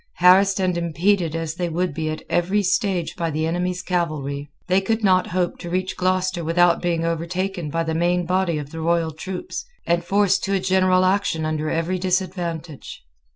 Harassed and impeded as they would be at every stage by the enemy's cavalry, they could not hope to reach Gloucester without being overtaken by the main body of the royal troops, and forced to a general action under every disadvantage.